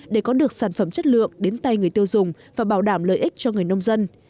để có được sản phẩm chất lượng đến tay người tiêu dùng và bảo đảm lợi ích cho người nông dân